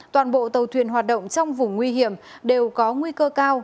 toàn bộ tàu thuyền hoạt động trong vùng nguy hiểm đều có nguy cơ cao